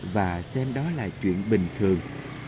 và xem đó là chuyện bình thường